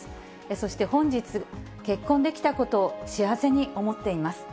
そして本日、結婚できたことを幸せに思っています。